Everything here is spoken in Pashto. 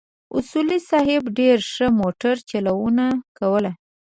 اصولي صیب ډېره ښه موټر چلونه کوله.